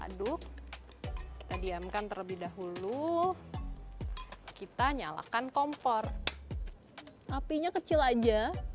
aduk kita diamkan terlebih dahulu kita nyalakan kompor apinya kecil aja